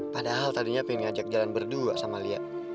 padahal tadinya pengen ngajak jalan berdua sama lia